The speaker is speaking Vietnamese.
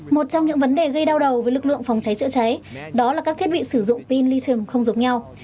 một trong những vấn đề gây đau đầu với lực lượng phòng cháy chữa cháy đó là các thiết bị sử dụng pin lithium không giống nhau